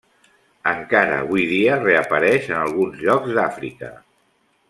Encara avui dia reapareix en alguns llocs d'Àfrica.